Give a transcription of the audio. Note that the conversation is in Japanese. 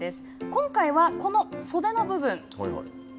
今回はこの袖の部分。